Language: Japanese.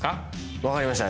分かりました。